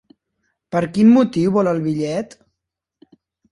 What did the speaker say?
Per quin motiu vol el bitllet?